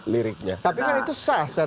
liriknya tapi kan itu sasar